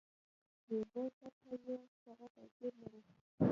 د اوبو سطحه یې سره توپیر لري.